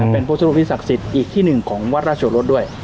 เป็นพวกศัตรูพิธีศักดิ์สักสิทธิ์อีกที่หนึ่งของวัดราชโรศด้วย